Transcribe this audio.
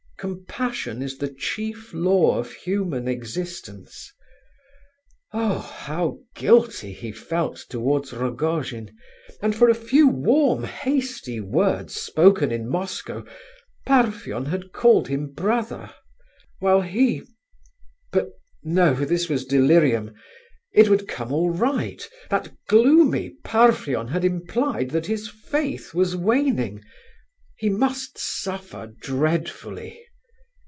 Compassion is the chief law of human existence. Oh, how guilty he felt towards Rogojin! And, for a few warm, hasty words spoken in Moscow, Parfen had called him "brother," while he—but no, this was delirium! It would all come right! That gloomy Parfen had implied that his faith was waning; he must suffer dreadfully.